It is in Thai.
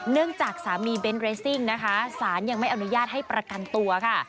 เนื่องจากสามีเบนทเรสซิ่งนะคะสารยังไม่อนุญาตให้ประกันตัวค่ะ